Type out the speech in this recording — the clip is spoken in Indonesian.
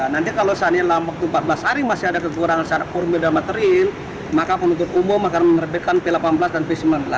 nanti kalau saat ini empat belas hari masih ada kekurangan formida materin maka penutup umum akan menerbitkan p delapan belas dan p sembilan belas